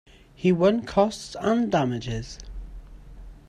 He won costs and damages.